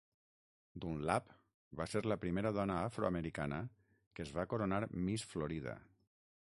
Dunlap va ser la primera dona afroamericana que es va coronar Miss Florida.